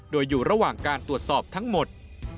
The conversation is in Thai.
โดยอยู่ระหว่างการตรวจสอบทั้งหมด